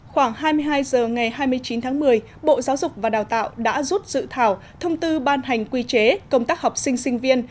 khoảng hai mươi hai h ngày hai mươi chín tháng một mươi bộ giáo dục và đào tạo đã rút dự thảo thông tư ban hành quy chế công tác học sinh sinh viên